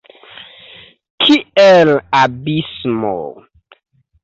Kiel abismo!